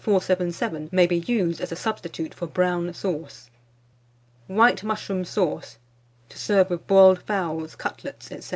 477 may be used as a substitute for brown sauce. WHITE MUSHROOM SAUCE, to serve with Boiled Fowls, Cutlets, &c.